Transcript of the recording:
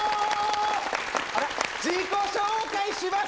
自己紹介します！